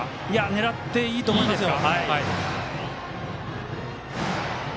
狙っていいと思いますよ。